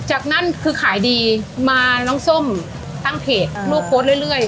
จากนั้นคือขายดีมาน้องส้มตั้งเพจลูกโพสต์เรื่อย